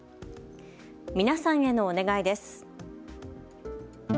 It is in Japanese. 皆さんへのお願いです。